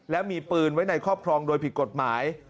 และมีปืนไว้ในครอบครองโดยผิดกฎหมาย